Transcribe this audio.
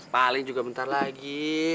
paling juga bentar lagi